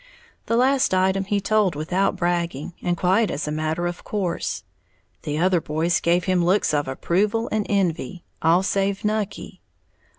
The last item he told without bragging, and quite as a matter of course. The other boys gave him looks of approval and envy, all save Nucky.